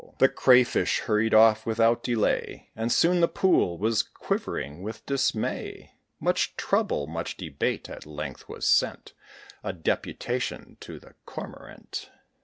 The Cray fish hurried off without delay, And soon the pool was quivering with dismay: Much trouble, much debate. At length was sent A deputation to the Cormorant.